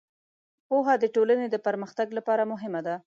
پوهه د ټولنې د پرمختګ لپاره مهمه ده.